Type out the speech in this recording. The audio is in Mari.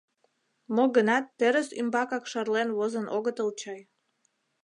Мо-гынат терыс ӱмбакак шарлен возын огытыл чай.